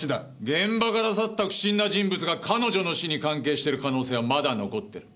現場から去った不審な人物が彼女の死に関係している可能性はまだ残っている。